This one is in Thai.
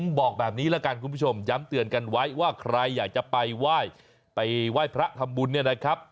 ผมบอกแบบนี้แล้วกันคุณผู้ชมย้ำเตือนกันไว้ว่าใครอยากจะไปว่ายพระทำบุญ